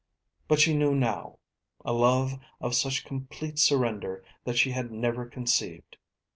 But she knew now a love of such complete surrender that she had never conceived.